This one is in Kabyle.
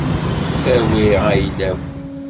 Awi ayla-w.